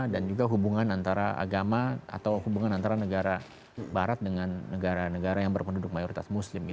dan juga hubungan antara negara barat dengan negara negara yang berkenduduk mayoritas muslim